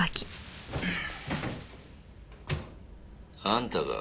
あんたか？